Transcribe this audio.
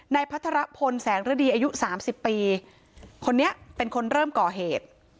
พัทรพลแสงฤดีอายุสามสิบปีคนนี้เป็นคนเริ่มก่อเหตุ